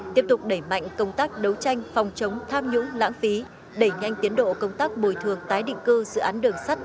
tiếp tục đẩy mạnh công tác đấu tranh phòng chống tham nhũng lãng phí đẩy nhanh tiến độ công tác bồi thường tái định cư dự án đường sắt